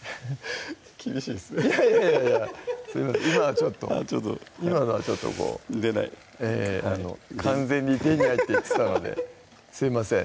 厳しいですねいやいやいや今ちょっと今のはちょっとこう出ない完全に「出にゃい」って言ってたのですいません